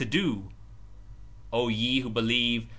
P: O ye who believe!